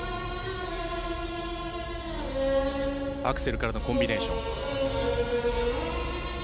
アクセルからのコンビネーション。